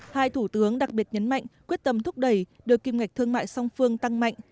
hai thủ tướng đặc biệt nhấn mạnh quyết tâm thúc đẩy đưa kim ngạch thương mại song phương tăng mạnh